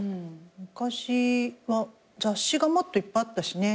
昔は雑誌がもっといっぱいあったしね。